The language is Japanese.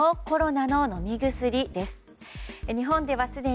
コロナの飲み薬です。